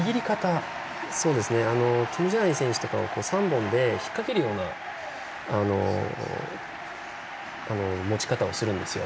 キム・ジャイン選手なんかは３本で引っ掛けるような持ち方をするんですよ。